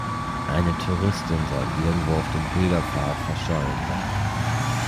Eine Touristin soll irgendwo auf dem Pilgerpfad verschollen sein.